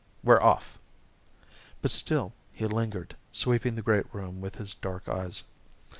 We're off!" But still he lingered, sweeping the great room with his dark eyes.